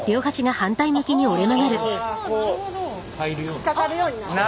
引っかかるようになってます。